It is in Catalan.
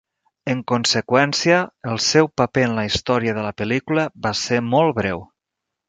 En conseqüència, el seu paper en la història de la pel·lícula va ser molt breu.